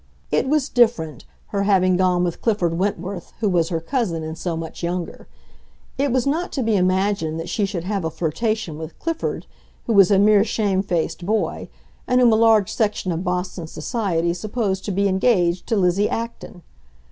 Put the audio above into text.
It was different, her having gone with Clifford Wentworth, who was her cousin, and so much younger. It was not to be imagined that she should have a flirtation with Clifford, who was a mere shame faced boy, and whom a large section of Boston society supposed to be "engaged" to Lizzie Acton.